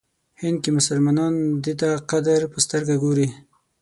هند کې مسلمانان دی ته قدر په سترګه ګوري.